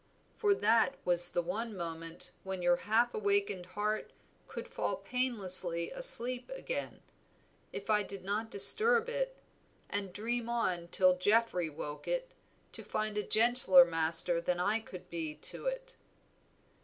For that was the one moment when your half awakened heart could fall painlessly asleep again, if I did not disturb it, and dream on till Geoffrey woke it, to find a gentler master than I could be to it."